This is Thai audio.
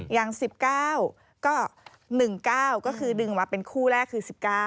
อย่าง๑๙ก็๑๙ก็คือดึงมาเป็นคู่แรกคือ๑๙